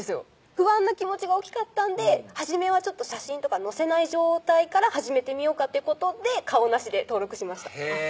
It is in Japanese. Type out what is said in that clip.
不安な気持ちが大きかったんで初めは写真とか載せない状態から始めてみようかということで顔なしで登録しました